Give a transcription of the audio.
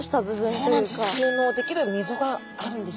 そうなんです。